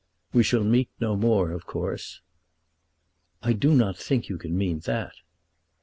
We shall meet no more, of course." "I do not think that you can mean that."